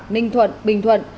bình thuận bình thuận